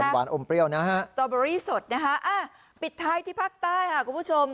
หวานอมเปรี้ยวนะฮะสตอเบอรี่สดนะฮะปิดท้ายที่ภาคใต้ค่ะคุณผู้ชม